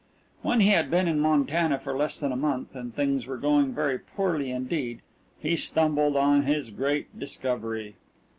When he had been in Montana for less than a month and things were going very poorly indeed, he stumbled on his great discovery.